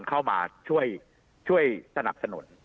เข้ามาช่วยสนับสนุน